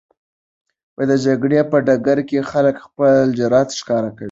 د جګړې په ډګر کې خلک خپل جرئت ښکاره کوي.